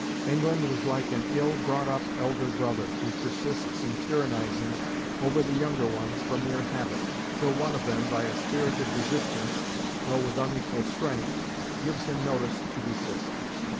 England was like an ill brought up elder brother, who persists in tyrannizing over the younger ones from mere habit, till one of them, by a spirited resistance, though with unequal strength, gives him notice to desist.